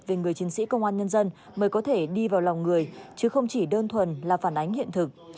về người chiến sĩ công an nhân dân mới có thể đi vào lòng người chứ không chỉ đơn thuần là phản ánh hiện thực